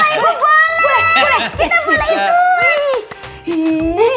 sama ibu boleh